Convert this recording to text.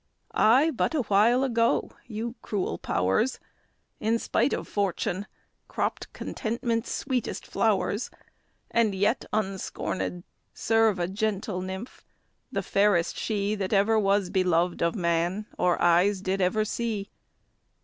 I, but awhile ago, (you cruel powers!) In spite of fortune, cropped contentment's sweetest flowers, And yet unscornèd, serve a gentle nymph, the fairest she, That ever was beloved of man, or eyes did ever see!